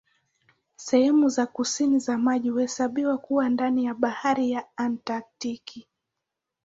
Sehemu za kusini za maji huhesabiwa kuwa ndani ya Bahari ya Antaktiki.